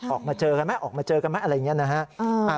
ออกมาเจอกันไหมออกมาเจอกันไหมอะไรอย่างนี้นะฮะ